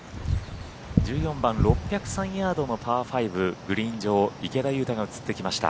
１４番６０３ヤードのパー５グリーン上池田勇太が映ってきました。